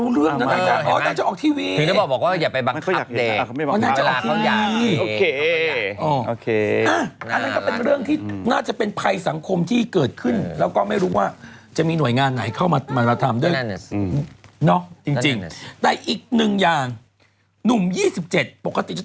นุ่ม๒๗ปกติจะต้องเกิดเป็นภาษาแว่งโหงประเทศ